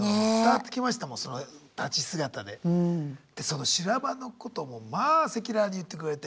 でその修羅場のこともまあ赤裸々に言ってくれて。